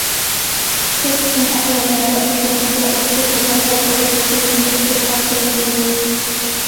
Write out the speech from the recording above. كۆپ قىسىم ئەھۋاللاردا ئىلگىرىكىگە ئوخشاش، ئۇلار ھەل قىلىش ئۇسۇلىنى ئوتتۇرىغا قويىدۇ.